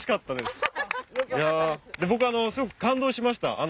すごく感動しました。